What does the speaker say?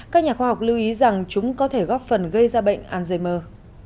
các nhà khoa học lưu ý rằng chúng có thể góp phần gây ra bệnh alzheimer